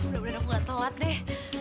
bener bener aku nggak tau lat deh